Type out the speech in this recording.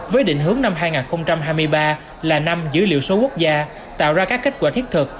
với định hướng năm hai nghìn hai mươi ba là năm dữ liệu số quốc gia tạo ra các kết quả thiết thực